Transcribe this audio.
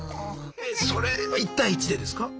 それは１対１でですか？